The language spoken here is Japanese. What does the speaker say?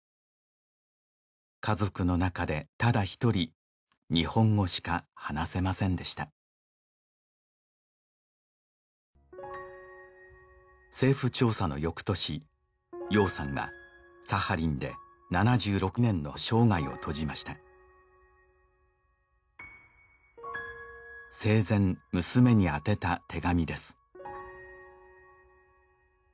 家族のなかでただ一人日本語しか話せませんでした政府調査の翌年ようさんはサハリンで７６年の生涯を閉じました生前娘に宛てた手紙です